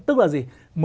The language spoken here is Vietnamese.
tức là gì